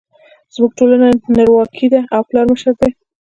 زموږ ټولنه نرواکې ده او پلار مشر دی